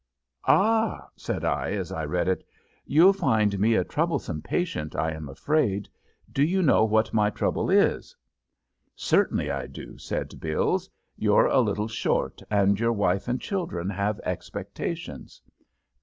"Ah!" said I, as I read it. "You'll find me a troublesome patient, I am afraid. Do you know what my trouble is?" "Certainly I do," said Bills. "You're a little short and your wife and children have expectations."